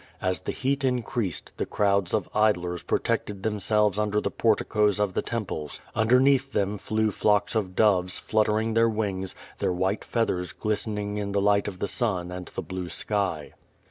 As the heat in creased the crowds of idlers protected themselves under the porticos of the temples. Underneath them fiew flocks of doves fluttering their wings, their white feathers glistening in the light of the sun and the blue sky.